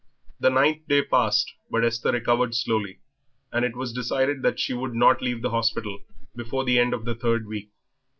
The ninth day passed, but Esther recovered slowly, and it was decided that she should not leave the hospital before the end of the third week.